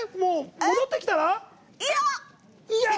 戻ってきたら？